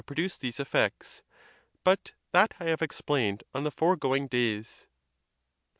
179 produce these effects, but that I have explained on the foregoing days. XV.